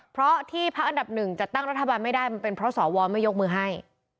เพราะที่พักอันดับหนึ่งจัดตั้งรัฐบาลไม่ได้มันเป็นเพราะสวไม่ยกมือให้